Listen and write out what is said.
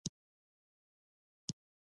په پښتو ژبه کې دا ډول څېړنې بیخي نوې دي